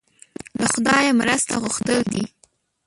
له خدای نه مرسته غوښتل دي.